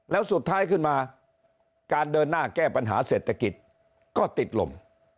แล้วสุดท้ายขึ้นมาการเดินหน้าแก้ปัญหาเศรษฐกิจก็ติดลม